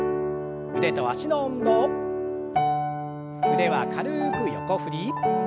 腕は軽く横振り。